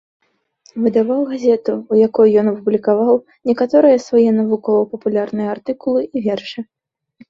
Выдаваў газету, у якой ён апублікаваў некаторыя свае навукова-папулярныя артыкулы і вершы.